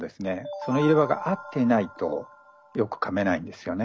その入れ歯が合ってないとよくかめないんですよね。